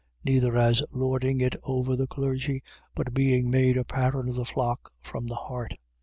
Neither as lording it over the clergy but being made a pattern of the flock from the heart.